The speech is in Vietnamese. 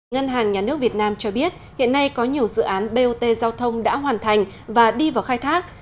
ngân hàng nhà nước việt nam cho biết hiện nay có nhiều dự án bot giao thông đã hoàn thành và đi vào khai thác